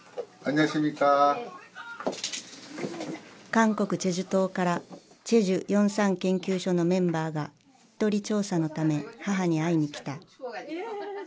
韓国済州島から済州４・３研究所のメンバーが聞き取り調査のため母に会いに来た。